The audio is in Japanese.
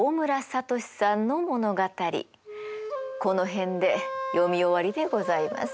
この辺で読み終わりでございます。